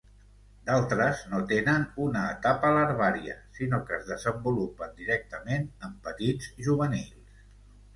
D'altres no tenen una etapa larvària, sinó que es desenvolupen directament en petits juvenils.